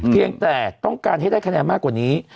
เพียงแต่ต้องการให้ได้คะแนนมากกว่านี้